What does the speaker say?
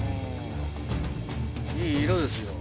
いい色ですよ。